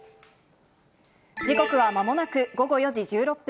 時刻はまもなく午後４時１６分。